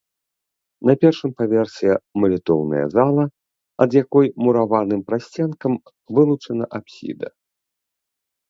На першым паверсе малітоўная зала, ад якой мураваным прасценкам вылучана апсіда.